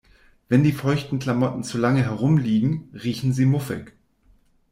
Wenn die feuchten Klamotten zu lange herumliegen, riechen sie muffig.